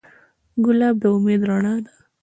ګلاب د امید رڼا ده.